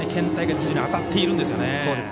非常に当たっているんですよね。